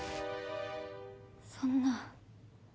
そんな。